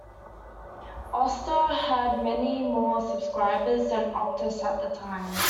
Austar had many more subscribers than Optus at the time.